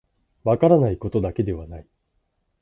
分からないことだけではない